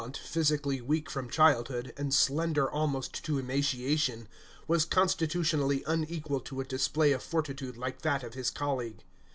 Lalemant, physically weak from childhood, and slender almost to emaciation, was constitutionally unequal to a display of fortitude like that of his colleague.